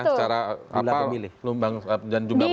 secara jumlah pemilih